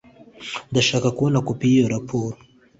Ndashaka kubona kopi yiyo raporo.